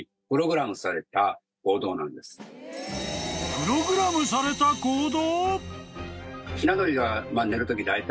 ［プログラムされた行動？］